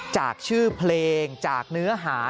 จากชื่อเพลงจากเนื้อหา